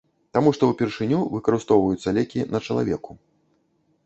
Таму што ўпершыню выкарыстоўваецца лекі на чалавеку.